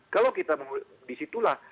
kalau kita disitulah